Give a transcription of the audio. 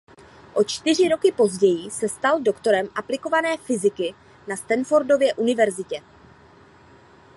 O čtyři roky později se stal doktorem aplikované fyziky na Stanfordově univerzitě.